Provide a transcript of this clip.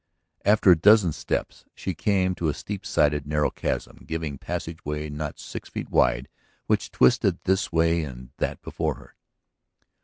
After a dozen steps she came to a steep sided, narrow chasm giving passageway not six feet wide which twisted this way and that before her.